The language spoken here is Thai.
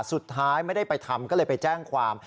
สุดท้ายไม่ได้ไปทำก็เลยไปแจ้งความ